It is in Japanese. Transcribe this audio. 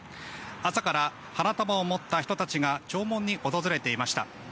朝から花束を持った人たちが弔問に訪れていました。